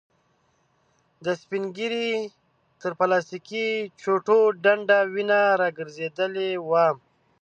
د سپين ږيري تر پلاستيکې چوټو ډنډ وينه را ګرځېدلې وه.